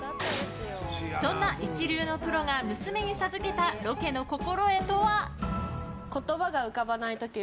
そんな一流のプロが娘に授けたロケの心得とは？